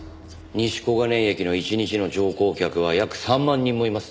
西小金井駅の一日の乗降客は約３万人もいます。